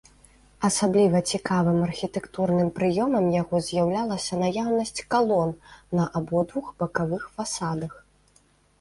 Асабліва цікавым архітэктурным прыёмам яго з'яўлялася наяўнасць калон на абодвух бакавых фасадах.